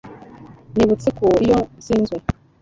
nibutse ko iyo nsinzwe